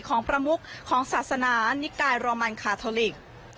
ของประมุขของศาสนานิกายโรมันคาทอลิก